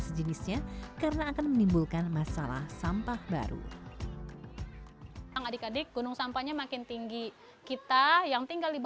sejenisnya karena akan menimbulkan masalah sampah baru adik adik gunung sampahnya makin tinggi kita